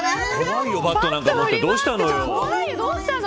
何をバットなんか持ってどうしたの。